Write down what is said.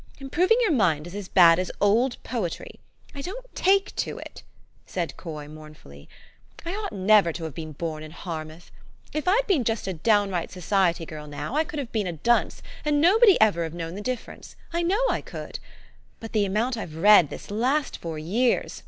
Improving your mind is as bad as old poetiy. I don't take to it," said Coy mournfully. "I ought never to have been born in Harmouth. If I'd been just a downright society girl now, I could have been a dunce, and nobod}^ ever have known the difference : I know I could. But the amount I've read this last four 3'ears